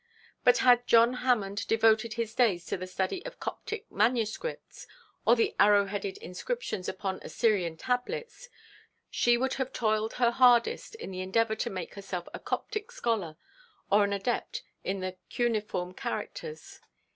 But had John Hammond devoted his days to the study of Coptic manuscripts, or the arrow headed inscriptions upon Assyrian tablets, she would have toiled her hardest in the endeavour to make herself a Coptic scholar, or an adept in the cuneiform characters.